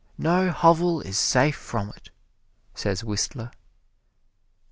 No hovel is safe from it!" says Whistler.